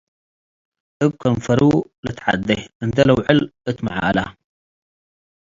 እብ ከንፈሩ ልትዐዴ - እንዴ ልውዕል እት መዓላ፣